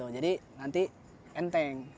jadi nanti enteng